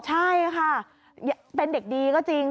ใช่ค่ะเป็นเด็กดีก็จริง